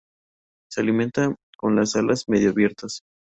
Se alimenta con las alas medio abiertas.